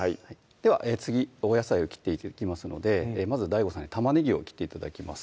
では次お野菜を切っていきますのでまずはＤＡＩＧＯさんに玉ねぎを切って頂きます